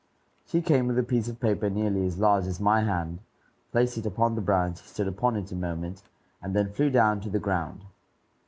She came with a piece of paper nearly as large as my hand, placed it upon the branch, stood upon it a moment, and then flew down to the ground.